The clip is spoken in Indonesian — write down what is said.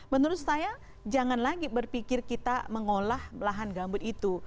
menurut saya jangan lagi berpikir kita mengolah lahan gambut itu